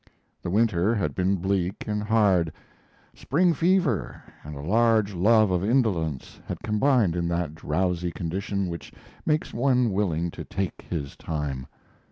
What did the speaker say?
The winter had been bleak and hard. "Spring fever" and a large love of indolence had combined in that drowsy condition which makes one willing to take his time.